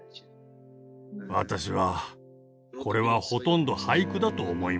私はこれはほとんど俳句だと思いました。